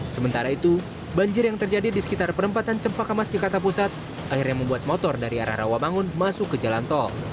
sementara itu banjir yang terjadi di sekitar perempatan cempakamas jakarta pusat akhirnya membuat motor dari arah rawa bangun masuk ke jalan tol